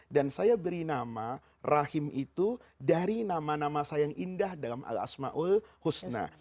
dan saya beri nama rahim itu dari nama nama saya yang indah dalam al asma'ul husna